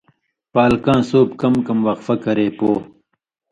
پالکاں سُوپ کم کم وقفہ کرے پو